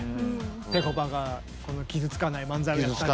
ぺこぱが傷つかない漫才をやったり。